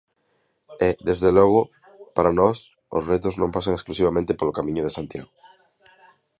E, desde logo, para nós os retos non pasan exclusivamente polo Camiño de Santiago.